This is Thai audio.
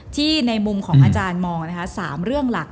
ในมุมของอาจารย์มองนะคะ๓เรื่องหลัก